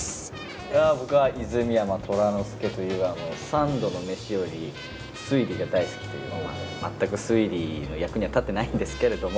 いや僕は泉山虎之介という三度の飯より推理が大好きというまあ全く推理の役には立ってないんですけれども。